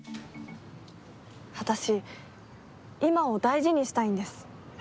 私、今を大事にしたいんです。